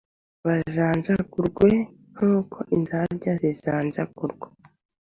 bajanjagurwe nk uko inzabya zijanjagurwa